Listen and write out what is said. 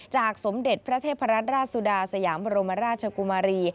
สมเด็จพระเทพรัตนราชสุดาสยามบรมราชกุมารี